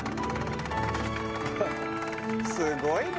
すごいね。